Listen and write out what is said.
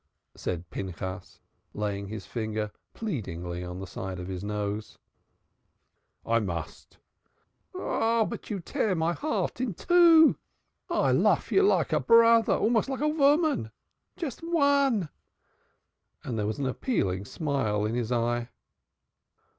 said Pinchas, laying his finger pleadingly on the side of his nose. "I must." "You tear my heart in two. I lof you like a brother almost like a voman. Just von!" There was an appealing smile in his eye.